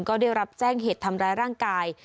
ก็ได้รับแจ้งเหตุทำร้ายร่างกาย